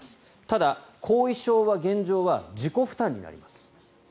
ただ、後遺症は現状は自己負担になります。